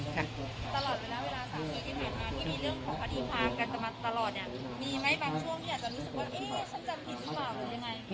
ตลอดเลยนะเวลาสามชีวิตใหม่มาที่มีเรื่องของพอดีภาพกันจะมาตลอดเนี้ย